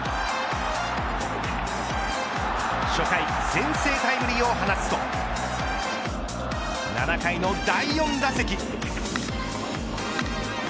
初回、先制タイムリーを放つと７回の第４打席。